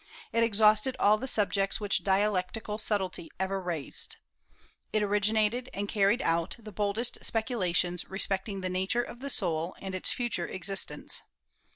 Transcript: It exhausted all the subjects which dialectical subtlety ever raised. It originated and carried out the boldest speculations respecting the nature of the soul and its future existence.